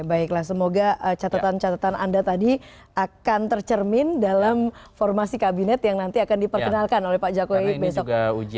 baiklah semoga catatan catatan anda tadi akan tercermin dalam formasi kabinet yang nanti akan diperkenalkan oleh pak jokowi besok